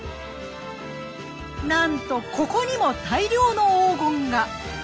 なんとここにも大量の黄金が！